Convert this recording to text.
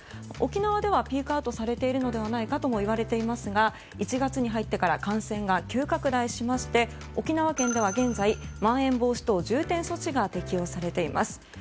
沖縄ではピークアウトされているのではないかといわれていますが１月に入ってから感染が急拡大しまして、沖縄県ではまん延防止等重点措置が適用されています。